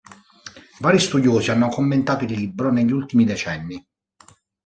Vari studiosi hanno commentato il libro negli ultimi decenni.